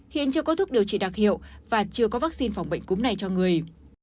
hiện chưa có thuốc điều trị đặc hiệu và chưa có vaccine phòng bệnh cúm này cho người